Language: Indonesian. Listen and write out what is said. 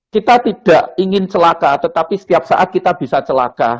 kita tidak ingin celaka tetapi setiap saat kita bisa celaka